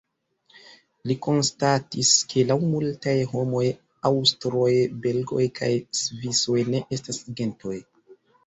Li konstatis, ke laŭ multaj homoj, aŭstroj, belgoj kaj svisoj ne estas gentoj.